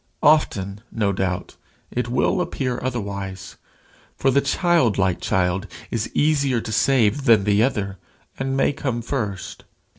Often, no doubt, it will appear otherwise, for the childlike child is easier to save than the other, and may come first.